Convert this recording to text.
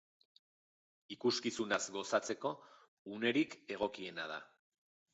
Ikuskizunaz gozatzeko unerik egokiena da.